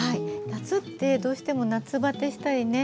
夏ってどうしても夏バテしたりね